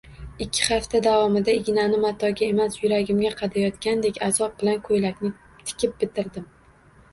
Ikki hafta davomida ignani matoga emas yuragimga qadayotgandek azob bilan ko`ylakni tikib bitirdim